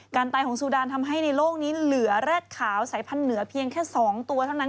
ตายของซูดานทำให้ในโลกนี้เหลือแร็ดขาวสายพันธุ์เหนือเพียงแค่๒ตัวเท่านั้น